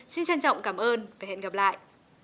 xin trân trọng cảm ơn và hẹn gặp lại